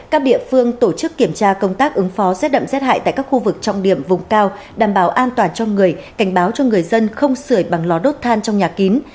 các địa phương tổ chức kiểm tra công tác ứng phó rét đậm rét hại tại các khu vực trọng điểm vùng cao đảm bảo an toàn cho người cảnh báo cho người dân không sửa bằng lò đốt than trong nhà kín